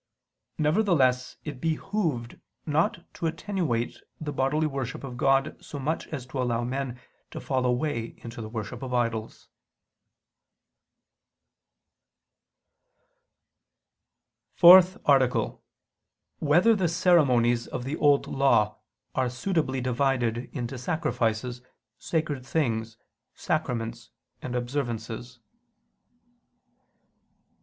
Nevertheless it behooved not to attenuate the bodily worship of God so much as to allow men to fall away into the worship of idols. ________________________ FOURTH ARTICLE [I II, Q. 101, Art. 4] Whether the Ceremonies of the Old Law Are Suitably Divided into Sacrifices, Sacred Things, Sacraments, and Observances?